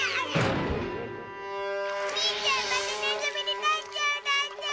ミイちゃんまでネズミになっちゃうなんて。